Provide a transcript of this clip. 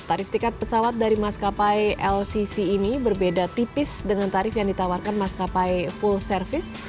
tarif tiket pesawat dari maskapai lcc ini berbeda tipis dengan tarif yang ditawarkan maskapai full service